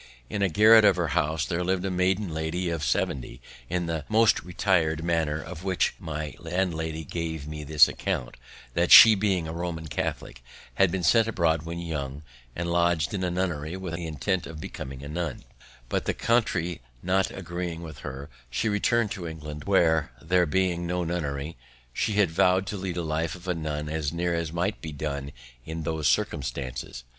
In a garret of her house there lived a maiden lady of seventy, in the most retired manner, of whom my landlady gave me this account: that she was a Roman Catholic, had been sent abroad when young, and lodg'd in a nunnery with an intent of becoming a nun; but, the country not agreeing with her, she returned to England, where, there being no nunnery, she had vow'd to lead the life of a nun, as near as might be done in those circumstances.